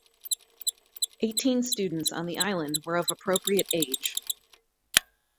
Eighteen students on the island were of appropriate age.